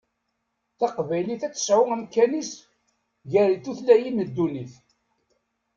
Taqbaylit ad tesɛu amkan-is gar tutlayin n ddunit.